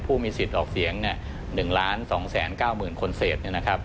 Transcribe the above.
ผู้มีสิทธิ์ออกเสียง๑ล้าน๒แสน๙หมื่นคนเศษนะครับ